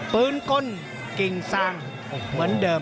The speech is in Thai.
ปืนก้นกิ่งซางเหมือนเดิม